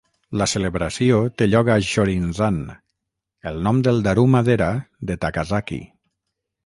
La celebració té lloc a Shorinzan, el nom del "Daruma-Dera" de Takasaki.